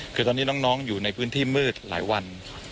คือตอนนี้น้องอยู่ในพื้นที่มืดหลายวัน